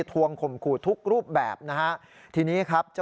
ทวงขมขู่ทุกรูปแบบนะครับ